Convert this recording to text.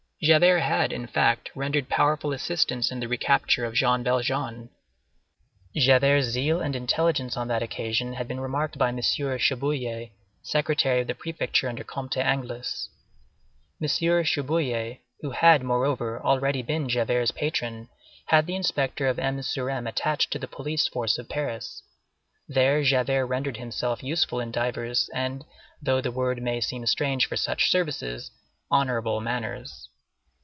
Javert had, in fact, rendered powerful assistance in the recapture of Jean Valjean. Javert's zeal and intelligence on that occasion had been remarked by M. Chabouillet, secretary of the Prefecture under Comte Anglès. M. Chabouillet, who had, moreover, already been Javert's patron, had the inspector of M. sur M. attached to the police force of Paris. There Javert rendered himself useful in divers and, though the word may seem strange for such services, honorable manners.